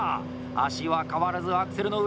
足は変わらずアクセルの上。